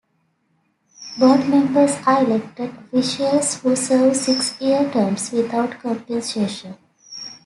Board members are elected officials who serve six-year terms without compensation.